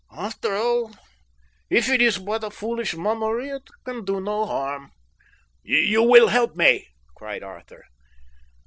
"After all, if it is but a foolish mummery it can do no harm." "You will help me?" cried Arthur.